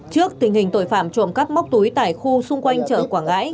trước tình hình tội phạm trộm các móc túi tải khu xung quanh chợ quảng ngãi